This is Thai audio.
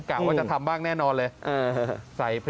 กะว่าจะทำบ้างแน่นอนเลย